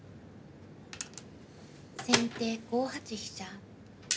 先手５八飛車。